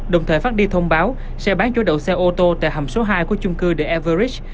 đồng thời phát đi thông báo sẽ bán chỗ đậu xe ô tô tại hầm số hai của chung cư the average